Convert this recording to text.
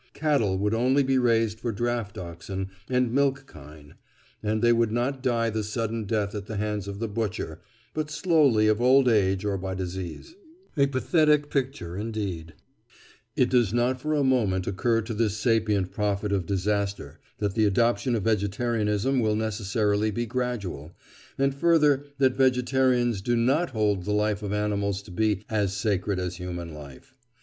Cattle would only be raised for draught oxen and milk kine, and they would not die the sudden death at the hands of the butcher, but slowly of old age or by disease." Footnote 46: "The Open Court," 1898. A pathetic picture, indeed! It does not for a moment occur to this sapient prophet of disaster that the adoption of vegetarianism will necessarily be gradual, and further that vegetarians do not hold the life of animals to be "as sacred as human life."